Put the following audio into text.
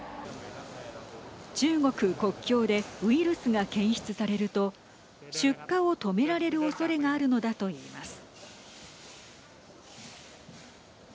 中国国境でウイルスが検出されると出荷を止められるおそれがあるのだといいます。